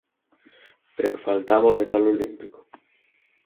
Pero faltaba o metal olímpico.